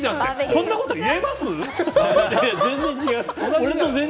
そんなこと言えます？